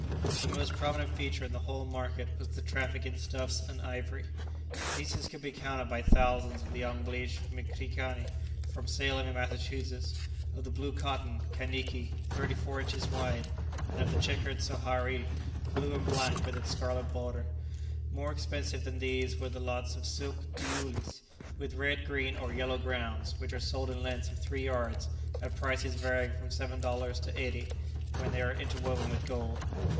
But the most prominent feature in the whole market was the traffic in stuffs and ivory. The pieces could be counted by thousands of the unbleached mcrikani from Salem in Massachusetts, of the blue cotton, kaniki, thirty four inches wide, and of the checked sohari, blue and black with its scarlet border. More expensive than these were lots of silk diulis, with red, green, or yellow grounds, which are sold in lengths of three yards, at prices varying from seven dollars to eighty, when they are interwoven with gold.